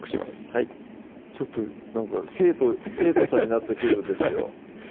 はいちょっとなんか生徒生徒さんになった気分ですよ